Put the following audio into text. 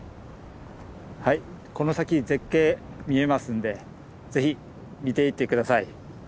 はいこの先絶景見えますんでぜひ見ていって下さい。